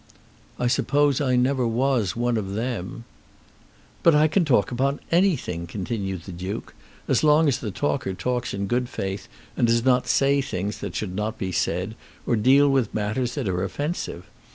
"I suppose I never was one of them." "But I can talk upon anything," continued the Duke, "as long as the talker talks in good faith and does not say things that should not be said, or deal with matters that are offensive.